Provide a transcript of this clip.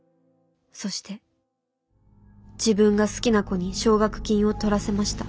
そして自分が好きな子に奨学金を獲らせました。